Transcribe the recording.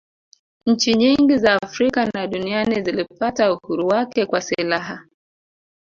nchi nyingi za afrika na duniani zilipata uhuru wake kwa silaha